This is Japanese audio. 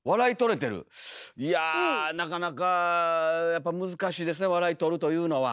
いやなかなかやっぱ難しいですね笑いとるというのは。